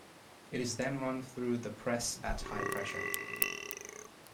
It is then run through the press at high pressure.